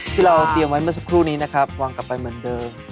ที่เราเตรียมไว้เมื่อสักครู่นี้นะครับวางกลับไปเหมือนเดิม